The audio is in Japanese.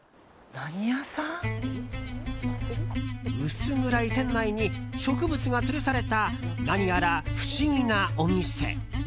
薄暗い店内に植物がつるされた何やら不思議なお店。